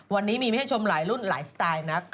วันนี้มีไม่ให้ชมหลายรุ่นหลายสไตล์นะ